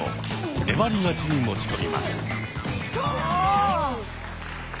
粘り勝ちに持ち込みます。